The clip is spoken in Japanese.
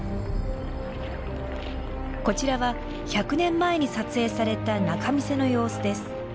こちらは１００年前に撮影された仲見世の様子です。